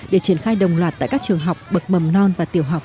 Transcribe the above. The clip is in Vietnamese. để triển khai đồng loạt tại các trường học bậc mầm non và tiểu học